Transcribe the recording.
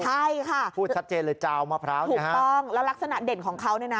ใช่ค่ะพูดชัดเจนเลยจาวมะพร้าวถูกต้องแล้วลักษณะเด่นของเขาเนี่ยนะ